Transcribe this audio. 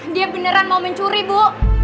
dia beneran mau mencuri bu